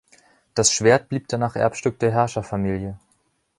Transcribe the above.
Das Schwert blieb danach Erbstück der Herrscherfamilie.